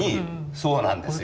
そうなんですよ。